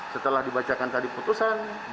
setelah dibacakan tadi putusan